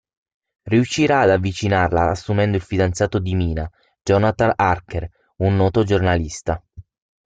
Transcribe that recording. Riuscirà ad avvicinarla assumendo il fidanzato di Mina, Jonathan Harker, un noto giornalista.